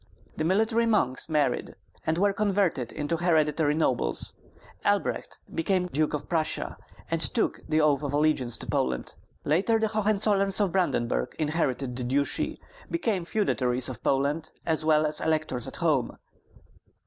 The military monks married, and were converted into hereditary nobles. Albert became Duke of Prussia, and took the oath of allegiance to Poland. Later the Hohenzollerns of Brandenburg inherited the duchy, became feudatories of Poland as well as electors at home.